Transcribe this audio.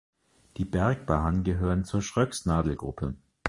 Die Bergbahnen gehören zur Schröcksnadel-Gruppe.